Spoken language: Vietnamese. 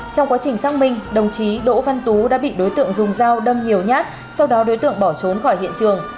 trong quá trình xác minh đồng chí đỗ văn tú đã bị đối tượng dùng dao đâm nhiều nhát sau đó đối tượng bỏ trốn khỏi hiện trường